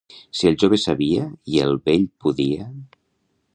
Si el jove sabia i el vell podia...